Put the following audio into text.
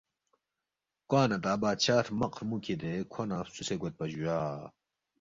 کوا نہ تا بادشاہ ہرمق ہرمُو کِھدے کھو نہ فسُوسے گویدپا جُویا